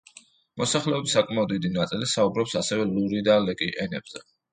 მოსახლეობის საკმაოდ დიდი ნაწილი საუბრობს ასევე ლური და ლეკი ენებზე.